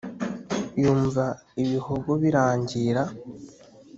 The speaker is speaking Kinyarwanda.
yumva ibihogo birangira